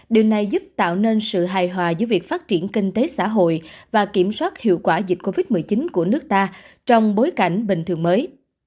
điều này giúp tạo nên sự hài hòa giữa việc phát triển kinh tế xã hội và kiểm soát hiệu quả dịch covid một mươi chín của nước ta trong bối cảnh bình thường mới